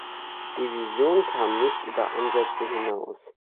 Division kam nicht über Ansätze hinaus.